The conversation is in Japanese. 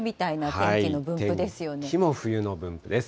天気も冬の分布です。